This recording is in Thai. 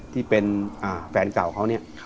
ที่เป็นแฟนเก่าเขาเนี่ย